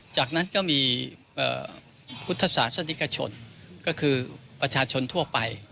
จากนั้นก็มีพุทธศาสนิกชนก็คือประชาชนทั่วไป